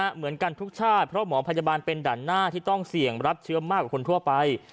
เหมือนกันทุกชาติเพราะหมอพยาบาลเป็นด่านหน้าที่ต้องเสี่ยงรับเชื้อมากกว่าคนทั่วไป